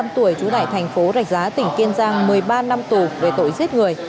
hai mươi năm tuổi chủ đại thành phố rạch giá tỉnh kiên giang một mươi ba năm tù về tội giết người